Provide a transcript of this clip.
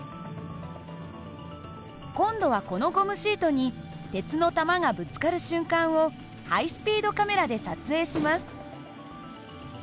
今度はこのゴムシートに鉄の球がぶつかる瞬間をハイスピードカメラで撮影します。